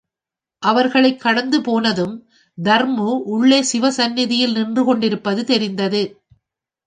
அவர்களைக் கடந்து போனதும், தர்மு உள்ளே சிவ சன்னதியில் நின்று கொண்டிருப்பது தெரிந்தது.